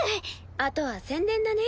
あとは宣伝だね。